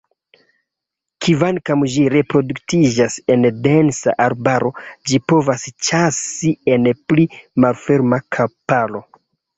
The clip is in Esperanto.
Kvankam ĝi reproduktiĝas en densa arbaro, ĝi povas ĉasi en pli malferma kamparo.